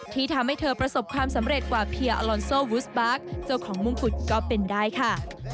ที่ทำให้เธอประสบความสำเร็จกว่าเพียอลอนโซวุสปาร์คเจ้าของมงกุฎก็เป็นได้ค่ะ